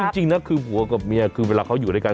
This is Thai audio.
จริงนะคือผัวกับเมียคือเวลาเขาอยู่ด้วยกัน